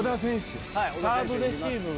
サーブレシーブが？